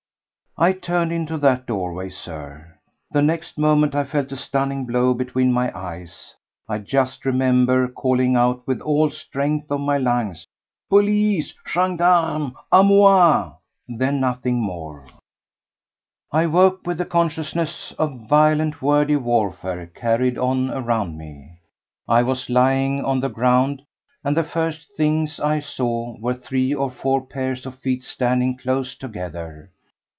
I turned into that doorway, Sir; the next moment I felt a stunning blow between my eyes. I just remember calling out with all the strength of my lungs: "Police! Gendarmes! A moi!" Then nothing more. 3. I woke with the consciousness of violent wordy warfare carried on around me. I was lying on the ground, and the first things I saw were three or four pairs of feet standing close together.